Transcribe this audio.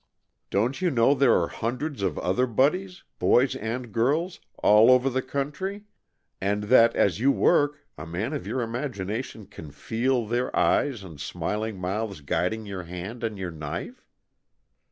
Don't you know there are hundreds of other Buddys boys and girls all over the country, and that, as you work, a man of your imagination can feel their eyes and smiling mouths guiding your hand and your knife?